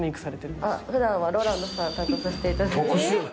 普段はＲＯＬＡＮＤさんを担当させていただいて。